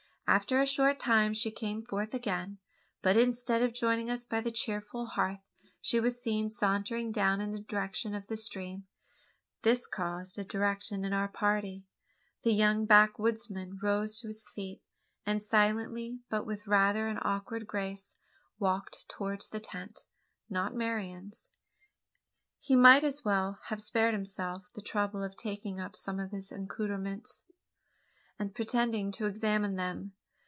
After a short time she came forth again; but, instead of joining us by the cheerful hearth, she was seen sauntering down in the direction of the stream. This caused a defection in our party. The young backwoodsman rose to his feet; and silently, but with rather an awkward grace, walked towards the tent not Marian's. He might as well have spared himself the trouble of taking up some of his accoutrements, and pretending to examine them.